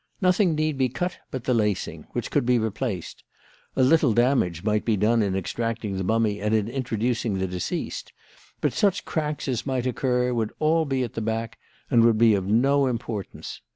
Nothing need be cut but the lacing, which could be replaced. A little damage might be done in extracting the mummy and in introducing the deceased; but such cracks as might occur would all be at the back and would be of no importance.